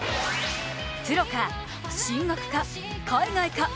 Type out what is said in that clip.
プロか、進学か、海外か？